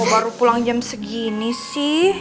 baru pulang jam segini sih